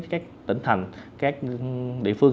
các tỉnh thành các địa phương